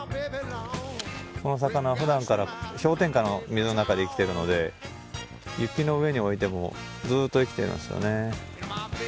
この魚普段から氷点下の水の中で生きてるので雪の上に置いてもずっと生きてるんすよね。